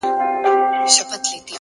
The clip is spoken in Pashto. مهرباني د زړونو ترمنځ اعتماد جوړوي!